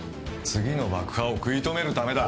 次の爆破を食い止めるためだ